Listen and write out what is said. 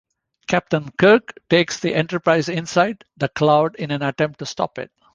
Captain Kirk takes the "Enterprise" inside the cloud in an attempt to stop it.